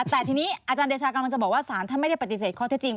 แต่ทีนี้อาจารย์เดชากำลังจะบอกว่าสารท่านไม่ได้ปฏิเสธข้อเท็จจริง